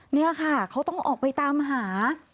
นี่ค่ะเขาต้องออกไปตามหา